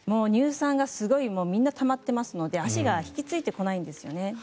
乳酸がすごいみんなたまってますので足が引きついてこないんですよね。